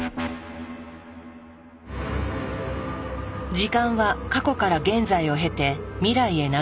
時間は過去から現在を経て未来へ流れる。